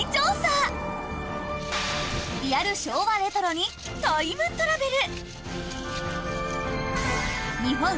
［リアル昭和レトロにタイムトラベル］